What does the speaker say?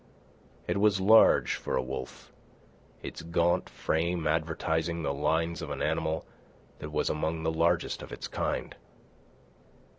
It was large for a wolf, its gaunt frame advertising the lines of an animal that was among the largest of its kind.